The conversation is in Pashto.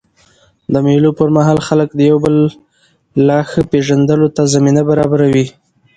د مېلو پر مهال خلک د یو بل لا ښه پېژندلو ته زمینه برابروي.